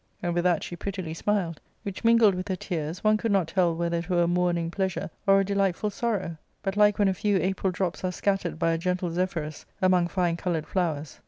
And with that she prettily smiled ; which mingled with her tears, one could not tell whether it were a mourning pleasure or a delightful sorrow, but like when a few April drops are scat tered by a gentle zephyrus among fine coloured flowers.